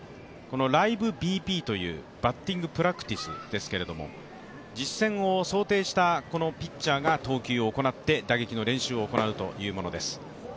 ライブＢＰというバッティング・プラクティスですが実戦を想定したピッチャーが投球を行って打撃の練習を行うというものです。